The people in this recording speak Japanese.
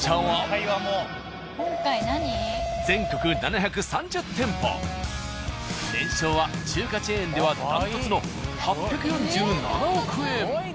全国年商は中華チェーンでは断トツの８４７億円。